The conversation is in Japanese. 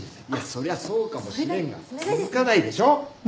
そりゃそうかもしれんが続かないでしょ。